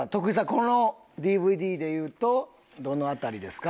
このＤＶＤでいうとどの辺りですか？